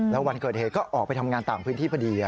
แล้ววันเกิดเหตุก็ออกไปทำงานต่างพื้นที่พอดี